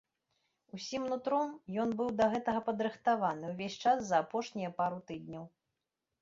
Усім нутром ён быў да гэтага падрыхтаваны ўвесь час за апошнія пару тыдняў.